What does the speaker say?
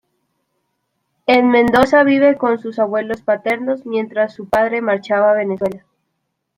En Mendoza vive con sus abuelos paternos, mientras su padre marchaba a Venezuela.